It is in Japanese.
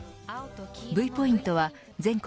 Ｖポイントは全国